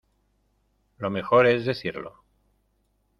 lo mejor es decirlo.